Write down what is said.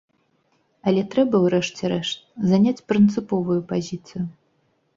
Але трэба у рэшце рэшт заняць прынцыповую пазіцыю.